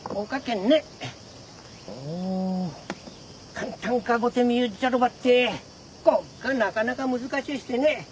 簡単かごて見ゆっじゃろばってこっがなかなかむずかしゅしてね。